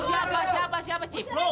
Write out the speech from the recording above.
siapa siapa siapa cipluk